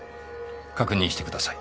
確認してください。